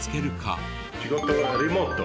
仕事はリモート。